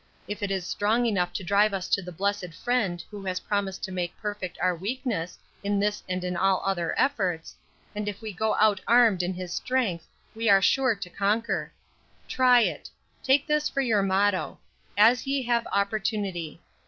If it is strong enough to drive us to the blessed Friend who has promised to make perfect our weakness in this as in all other efforts, and if we go out armed in His strength we are sure to conquer. Try it. Take this for your motto: 'As ye have opportunity.'